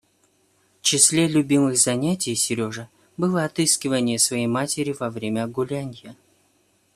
В числе любимых занятий Сережи было отыскиванье своей матери во время гулянья.